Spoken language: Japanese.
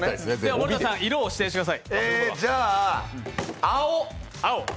森田さん色を指定してください。